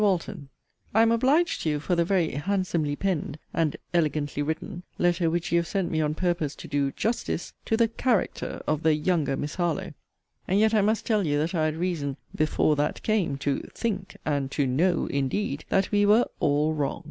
WALTON, I am obliged to you for the very 'handsomely penned', (and 'elegantly written,') letter which you have sent me on purpose to do 'justice' to the 'character' of the 'younger' Miss Harlowe; and yet I must tell you that I had reason, 'before that came,' to 'think,' (and to 'know' indeed,) that we were 'all wrong.'